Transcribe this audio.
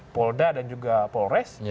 polda dan juga polres